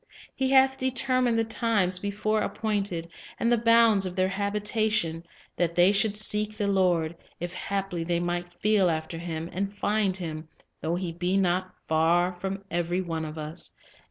He "hath determined the times before appointed, and the bounds of their habitation; that they should seek the Lord, if haply they might feel after Him, and find Him, though He be not far from every one of us."